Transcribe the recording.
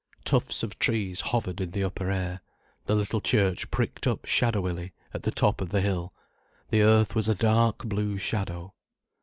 Tufts of trees hovered in the upper air, the little church pricked up shadowily at the top of the hill, the earth was a dark blue shadow.